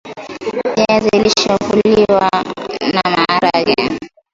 viazi lishe huliwa na namaharage